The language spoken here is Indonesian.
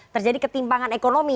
terjadi ketimpangan ekonomi